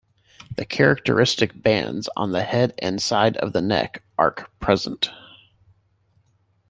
The characteristic bands on the head and side of the neck arc present.